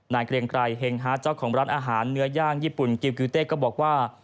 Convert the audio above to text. เกรียงไกรเฮงฮาเจ้าของร้านอาหารเนื้อย่างญี่ปุ่นกิวกิวเต้ก็บอกว่า